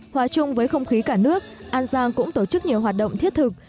hòa chung với không khí cả nước an giang cũng tổ chức nhiều hoạt động thiết thực